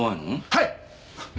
はい！